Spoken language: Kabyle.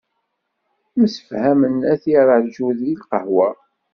Msefhamen ad t-id-iraju deg lqahwa.